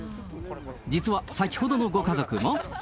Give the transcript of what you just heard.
実は、先ほどのご家族も。